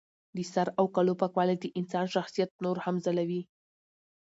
د سر او کالو پاکوالی د انسان شخصیت نور هم ځلوي.